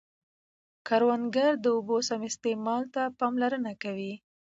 کروندګر د اوبو سم استعمال ته پاملرنه کوي